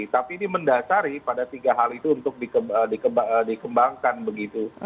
tapi ini mendasari pada tiga hal itu untuk dikembangkan begitu